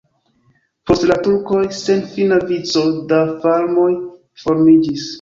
Post la turkoj senfina vico da farmoj formiĝis.